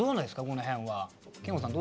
この辺は。